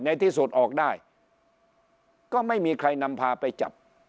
ในที่สุดออกได้ก็ไม่มีใครนำพาไปจับ